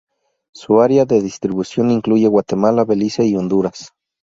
Su área de distribución incluye Guatemala, Belice y Honduras.